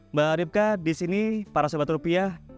mbak lipka disini para sobat rupiah